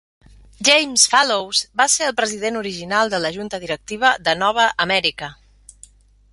James Fallows va ser el president original de la junta directiva de Nova Amèrica.